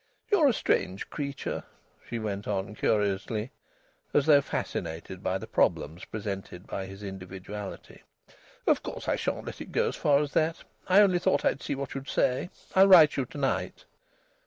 "You're a strange creature," she went on curiously, as though fascinated by the problems presented by his individuality. "Of course, I shan't let it go as far as that. I only thought I'd see what you'd say. I'll write you to night."